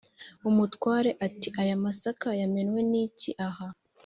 umutware ati « aya masaka yamenwe n'iki aha?